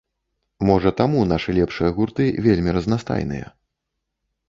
Можа таму нашы лепшыя гурты вельмі разнастайныя.